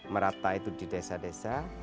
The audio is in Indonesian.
merata itu di desa desa